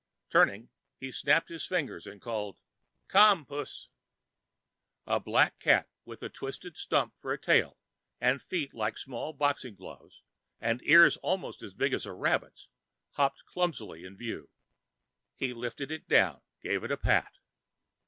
Turning, he snapped his fingers and called, "Come, puss." A black cat with a twisted stump of a tail and feet like small boxing gloves and ears almost as big as rabbits' hopped clumsily in view. He lifted it down, gave it a pat.